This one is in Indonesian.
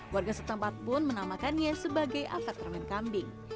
warga setempat pun menamakannya sebagai apartemen kambing